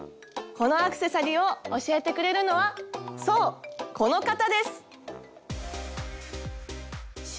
このアクセサリーを教えてくれるのはそうこの方です！